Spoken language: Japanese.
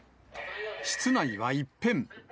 室内は一変。